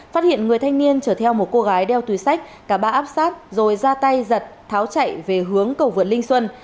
phát hiện người thanh niên chở theo một cô gái đeo túi sách cả ba áp sát rồi ra tay giật tháo chạy về hướng cầu vượt linh xuân